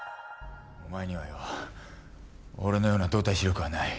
お前にはよ俺のような動体視力はない。